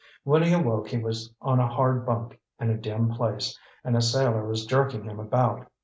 When he awoke he was on a hard bunk in a dim place, and a sailor was jerking him about.